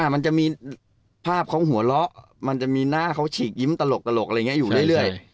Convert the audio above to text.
มันจะมีภาพเขาหัวเราะมันจะมีหน้าเขาฉีกยิ้มตลกอะไรอย่างนี้อยู่เรื่อย